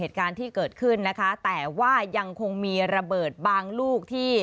ที่เกิดขึ้นนะคะแต่ว่ายังคงมีระเบิดบางลูกที่